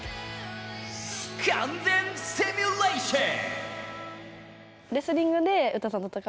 完全シミュレーション！